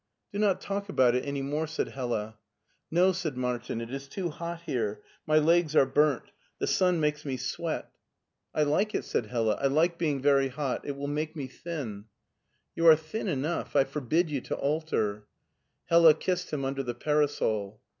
" Do not talk about it any more," said Hella. " No," said Martin. *' It is too hot here ; my legs are burnt The sun makes me sweat" it LEIPSIC 151 I like it/' said Hella; " I like being very hot It will make me thin/' " You are thin enough. I forbid you to alter/' Hdla kissed him under the parasol.